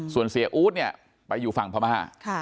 ส่วนเศรียะอู้ซไปอยู่ฝั่งพระมหาค์